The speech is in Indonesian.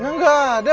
nah enggak ada